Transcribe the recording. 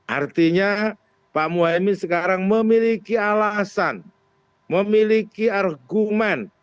artinya pak muhaymin sekarang memiliki alasan memiliki argumen